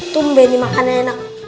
tumbe nih makannya anak